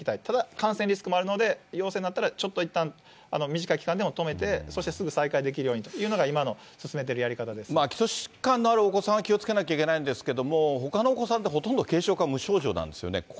ただ感染リスクもあるので、陽性になったら、ちょっといったん、短い期間でも止めて、そしてすぐ再開できるようにというのが、基礎疾患のあるお子さんは気をつけなきゃいけないんですけど、ほかのお子さんって、ほとんど軽症か、無症状なんですよね。